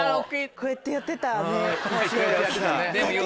こうやってやってた。